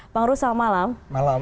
bang runsitompul selamat malam